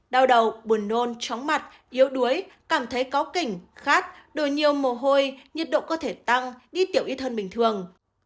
đau đầu buồn nôn tróng mặt yếu đuối cảm thấy có kỉnh khát đổ nhiều mồ hôi nhiệt độ cơ thể tăng đi tiểu ít hơn bình thường